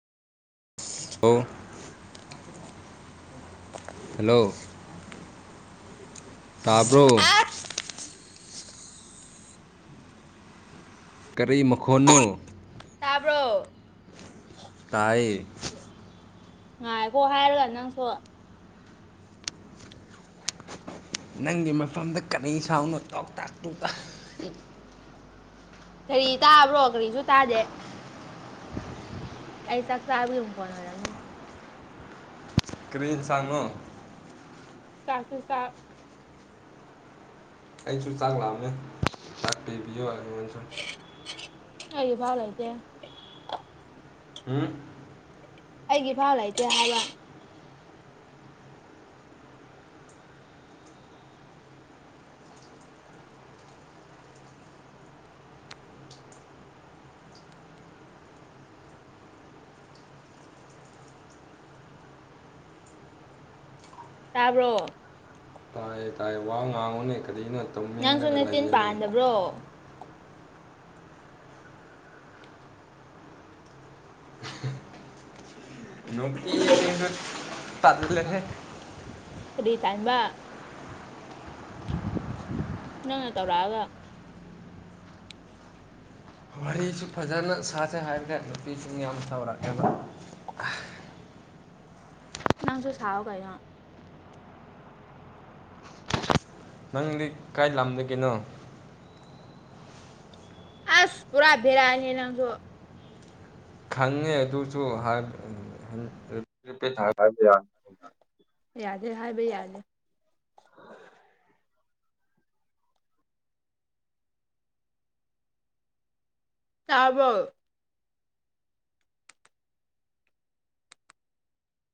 [unintelligible] ꯑꯣ [unintelligible] ꯍꯦꯜꯂꯣ ꯇꯥꯕ꯭ꯔꯣ ꯑꯁ ꯀꯔꯤ ꯃꯈꯣꯟꯅꯣ ꯇꯥꯕ꯭ꯔꯣ ꯇꯥꯏꯌꯦ ꯉꯥꯏꯈꯣ ꯍꯥꯏꯔꯒ ꯅꯪꯁꯨ ꯅꯪꯒꯤ ꯃꯐꯝꯗ ꯀꯅꯩ ꯁꯥꯎꯅꯣ ꯇꯣꯛꯇꯥꯛ ꯇꯣꯛꯇ ꯀꯔꯤ ꯇꯥꯕ꯭ꯔꯣ ꯀꯔꯤꯁꯨ ꯇꯥꯗꯦ ꯑꯩ ꯆꯥꯛ ꯆꯥꯕꯒꯤ ꯃꯈꯣꯟ ꯑꯣꯏꯔꯝꯅꯤ ꯀꯔꯤ ꯍꯦꯟꯁꯥꯡꯅꯣ ꯆꯥꯛ [unintelligible] ꯆꯥꯛ ꯑꯩꯁꯨ ꯆꯥꯛ ꯂꯥꯝꯃꯦ ꯆꯥꯛ ꯄꯤꯕꯤꯌꯣ ꯑꯩꯉꯣꯟ ꯑꯩꯒꯤꯐꯥꯎ ꯂꯩꯇꯦ ꯎꯝ ꯑꯩꯒꯤ ꯐꯥꯎ ꯂꯩꯇꯦ ꯍꯥꯏꯕ ꯇꯥꯕ꯭ꯔꯣ ꯇꯥꯏ ꯇꯥꯏ ꯋꯥ ꯉꯥꯡꯉꯨꯅꯤ ꯀꯔꯤꯅꯣ ꯅꯪꯁꯨ ꯇꯧꯃꯤꯟꯅꯒ ꯅꯆꯤꯟ ꯂꯩꯒꯅꯤ ꯄꯥꯟꯗꯕ꯭ꯔꯣ ꯅꯨꯄꯤ ꯑꯅꯤꯗꯣ ꯇꯜꯂꯤꯍꯦ ꯑꯗꯨꯏ ꯇꯟꯕ ꯅꯪꯅ ꯇꯧꯔꯛꯑꯒ ꯋꯥꯔꯤꯁꯨ ꯐꯖꯅ ꯁꯥꯁꯦ ꯍꯥꯏꯕꯅꯦ ꯅꯨꯄꯤꯁꯤꯡ ꯌꯥꯝ ꯇꯧꯔꯛꯑꯦꯕ ꯅꯪꯁꯨ ꯁꯥꯎ ꯀꯩꯅꯣ ꯅꯪꯗꯤ ꯀꯥꯏ ꯂꯝꯗꯒꯤꯅꯣ ꯑꯁ ꯄꯨꯔꯥ ꯕꯦꯔꯥ ꯅꯦꯍꯦ ꯅꯪꯁꯨ ꯈꯪꯉꯦ ꯑꯗꯨꯁꯨ [unintelligible] ꯌꯥꯗꯦ ꯍꯥꯏꯕ ꯌꯥꯗꯦ ꯇꯥꯕꯣ